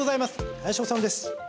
林修です。